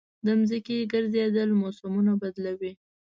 د ځمکې ګرځېدل موسمونه بدلوي.